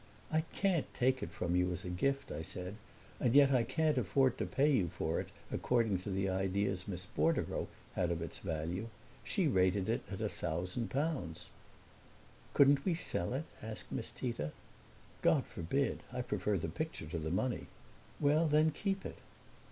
"I can't take it from you as a gift," I said, "and yet I can't afford to pay you for it according to the ideas Miss Bordereau had of its value. She rated it at a thousand pounds." "Couldn't we sell it?" asked Miss Tita. "God forbid! I prefer the picture to the money." "Well then keep it."